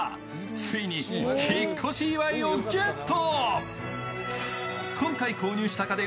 ついに引っ越し祝いをゲット！